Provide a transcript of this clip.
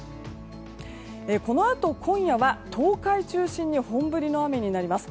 このあと、今夜は東海を中心に本降りの雨になります。